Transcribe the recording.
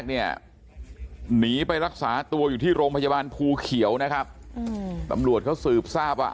หนีไปรักษาตัวอยู่ที่โรงพยาบาลภูเขียวนะครับตำรวจเขาสืบทราบว่า